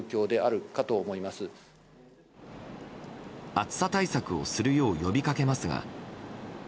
暑さ対策をするよう呼びかけますが。